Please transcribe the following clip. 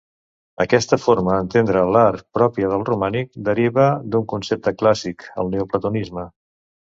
Aquesta forma d'entendre l'art pròpia del romànic deriva d'un concepte clàssic, el neoplatonisme.